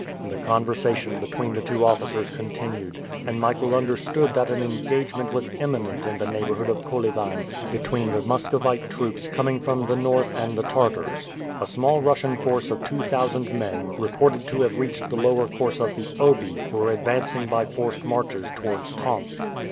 The conversation between the two officers continued, and Michael understood that an engagement was imminent in the neighborhood of Kolyvan, between the Muscovite troops coming from the north and the Tartars. A small Russian force of two thousand men, reported to have reached the lower course of the Obi, were advancing by forced marches towards Tomsk.